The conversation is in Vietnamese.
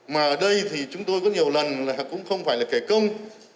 mà ở đây thì chúng tôi có nhiều lần là cũng không phải là kẻ công